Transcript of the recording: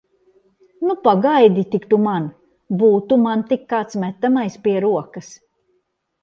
Nu, pagaidi tik tu man! Būtu man tik kāds metamais pie rokas!